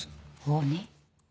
鬼？